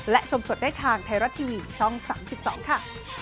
และชมสดได้ทางไทยรัฐทีวีช่อง๓๒ค่ะ